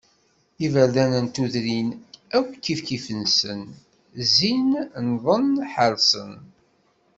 Iberdan n tudrin akk kif kif-nsen, zzin, nnḍen, ḥerṣen.